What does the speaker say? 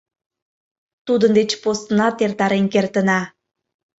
Тудын деч поснат эртарен кертына.